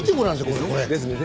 これこれ。ですね。